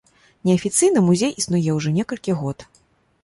Неафіцыйна музей існуе ужо некалькі год.